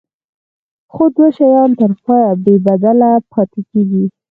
خو دوه شیان تر پایه بې بدله پاتې کیږي.